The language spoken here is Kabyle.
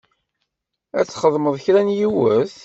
Ad t-texdem kra n yiwet.